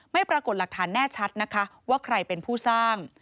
ปรากฏหลักฐานแน่ชัดนะคะว่าใครเป็นผู้สร้าง